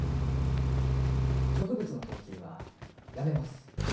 植物の研究はやめます。